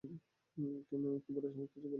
কেন একবারে সবকিছু বলো না?